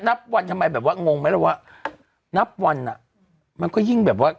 นับวันทำไมแบบว่างงไหมล่ะว่านับวันอ่ะมันก็ยิ่งแบบว่า